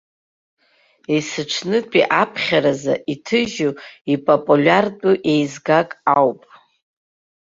Есҽнытәи аԥхьаразы иҭыжьу, ипопулиартәу еизгак ауп.